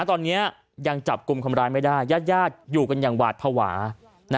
ตอนนี้ยังจับกลุ่มคนร้ายไม่ได้ญาติญาติอยู่กันอย่างหวาดภาวะ